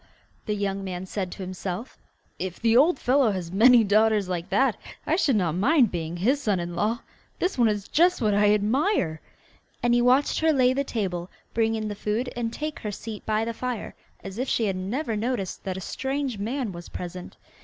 the young man said to himself, 'if the old fellow has many daughters like that I should not mind being his son in law. This one is just what I admire'; and he watched her lay the table, bring in the food, and take her seat by the fire as if she had never noticed that a strange man was present.